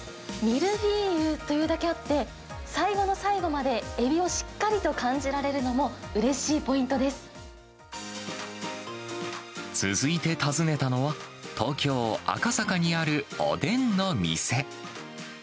ミルフィーユというだけあって、最後の最後までエビをしっかりと感じられるのもうれしいポイント続いて訪ねたのは、東京・赤坂にあるおでんの店。